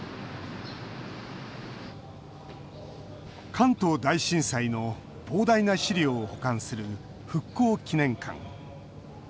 関東大震災の膨大な資料を保管する復興記念館。